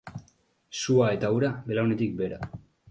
Sua eta ura belaunetik behera.